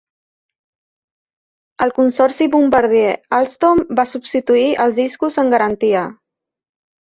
El consorci Bombardier-Alstom va substituir els discos en garantia.